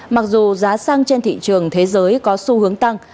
mặc dù giá xăng trên thị trường thế giới có xu hướng tăng